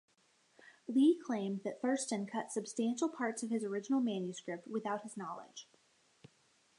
Li claimed that Thurston cut substantial parts of his original manuscript without his knowledge.